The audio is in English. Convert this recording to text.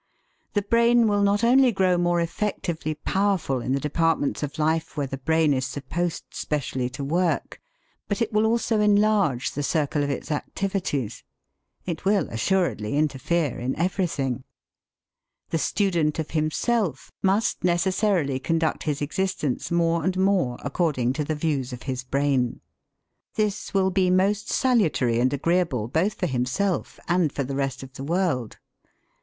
The brain will not only grow more effectively powerful in the departments of life where the brain is supposed specially to work, but it will also enlarge the circle of its activities. It will assuredly interfere in everything. The student of himself must necessarily conduct his existence more and more according to the views of his brain. This will be most salutary and agreeable both for himself and for the rest of the world.